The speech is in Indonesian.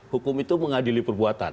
hukum itu mengadili perbuatan